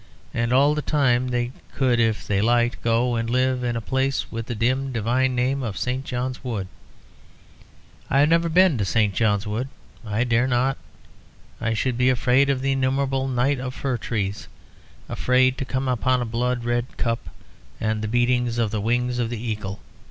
And all the time they could, if they liked, go and live at a place with the dim, divine name of St. John's Wood. I have never been to St. John's Wood. I dare not. I should be afraid of the innumerable night of fir trees, afraid to come upon a blood red cup and the beating of the wings of the Eagle.